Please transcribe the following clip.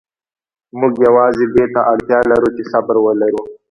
موږ یوازې دې ته اړتیا لرو چې صبر ولرو.